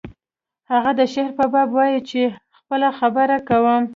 هغه د شعر په باب وایی چې خپله خبره کوم